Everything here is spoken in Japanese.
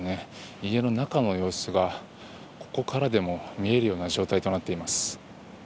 家の中の様子がここからでも見えるような状態となっています。